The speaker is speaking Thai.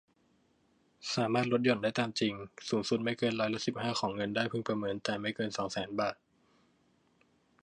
สามารถลดหย่อนได้ตามจริง สูงสุดไม่เกินร้อยละ สิบห้า ของเงินได้พึงประเมิน แต่ไม่เกิน สองแสน บาท